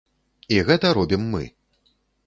І гэта робім мы.